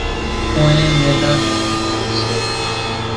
ڪونئين ميڌا نون مريض سي۔